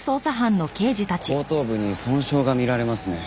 後頭部に損傷が見られますね。